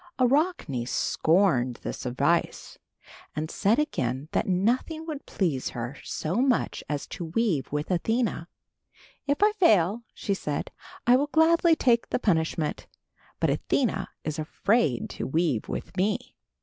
Arachne scorned this advice and said again that nothing would please her so much as to weave with Athena. "If I fail," she said, "I will gladly take the punishment, but Athena is afraid to weave with me."